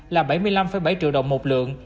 là bảy mươi năm bảy triệu đồng một lượt